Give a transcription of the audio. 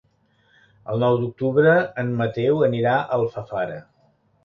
El nou d'octubre en Mateu anirà a Alfafara.